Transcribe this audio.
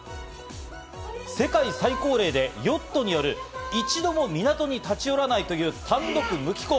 世界最高齢でヨットによる一度も港に立ち寄らないという単独無寄港。